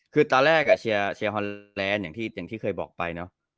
คือตอนแรกเชียร์ฮอนแลนด์อย่างที่เคยบอกไปเนอะ